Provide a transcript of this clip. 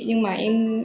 nhưng mà em